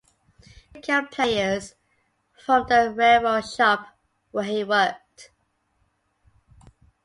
He secured players from the railroad shop where he worked.